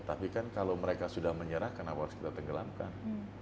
tapi kan kalau mereka sudah menyerah kenapa harus kita tenggelamkan